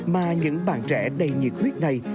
mà những bạn trẻ đầy nhiệt huyết này